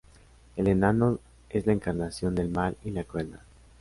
El Enano es la encarnación del mal y la crueldad.